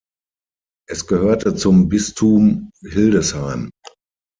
Es gehörte zum Bistum Hildesheim.